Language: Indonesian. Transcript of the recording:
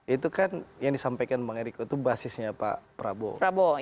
itu kan yang disampaikan bang eriko itu basisnya pak prabowo